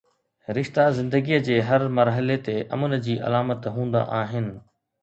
رشتا زندگيءَ جي هر مرحلي تي امن جي علامت هوندا آهن.